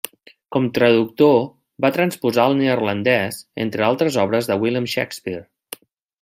Com traductor va transposar al neerlandès entre altres obres de William Shakespeare.